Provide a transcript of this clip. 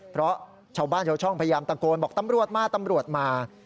เพราะชาวบ้านชาวช่องพยายามตะโกนบอกตำรวจมาตำรวจมา